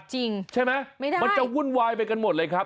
ใช่ไหมมันจะวุ่นวายไปกันหมดเลยครับ